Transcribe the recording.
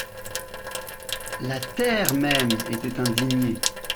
La terre même était indignée.